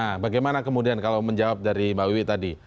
nah bagaimana kemudian kalau menjawab dari mbak wiwi tadi